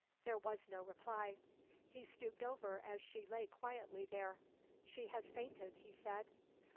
There was no reply. He stooped over, as she lay quietly there. "She has fainted," he said.